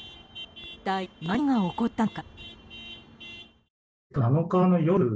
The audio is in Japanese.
一体、何が起こったのか。